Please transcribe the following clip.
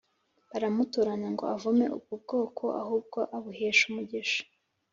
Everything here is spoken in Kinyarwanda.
baramutoranya ngo avume ubwobwoko ahubwo abuhesha umugisha